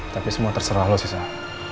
tapi semua terserah lo susah